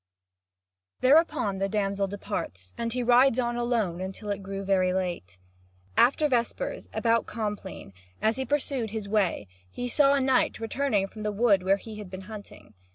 Thereupon the damsel departs, and he rides on alone until it grew very late. After vespers, about compline, as he pursued his way, he saw a knight returning from the wood where he had been hunting.